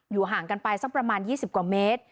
อยู่ห่างกันไปสักประมาณยี่สิบกว่าเมตร